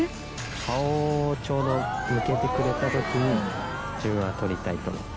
顔をちょうど向けてくれた時に自分は撮りたいと思って。